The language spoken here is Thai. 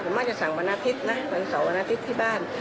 มากจะสั่งวันอาทิตย์นะวันเสาร์วันอาทิตย์ที่บ้าน